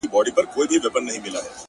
وه كلي ته زموږ راځي مـلـنگه ككـرۍ-